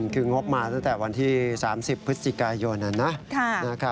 คืองบมาตั้งแต่วันที่๓๐พยนอะนะ